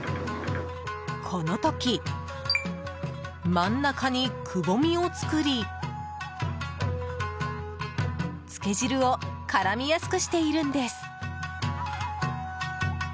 この時、真ん中にくぼみを作りつけ汁を絡みやすくしているんです。